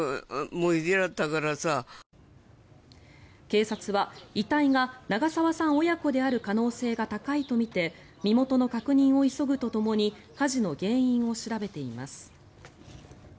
警察は、遺体が長沢さん親子である可能性が高いとみて身元の確認を急ぐとともに火事の原因を調べています。